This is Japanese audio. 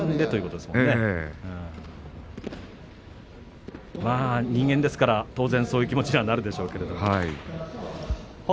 まあ人間ですから当然そういう気持ちにはなるでしょうけれども。